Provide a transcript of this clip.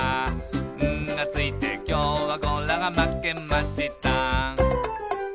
「『ん』がついてきょうはゴラがまけました」